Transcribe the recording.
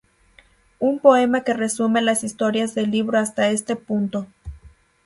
Un poema que resume las historias del libro hasta este punto.